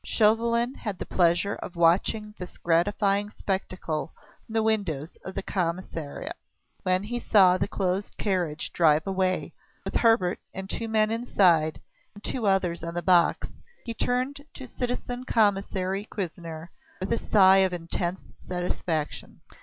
Chauvelin had the pleasure of watching this gratifying spectacle from the windows of the Commissariat. When he saw the closed carriage drive away, with Hebert and two men inside and two others on the box, he turned to citizen Commissary Cuisinier with a sigh of intense satisfaction.